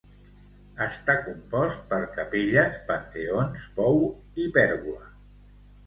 Està compost per capelles, panteons, pou i pèrgola.